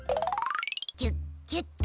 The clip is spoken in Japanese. ギュッギュッと。